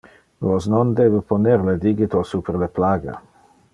Vos non debe poner le digito super le plaga.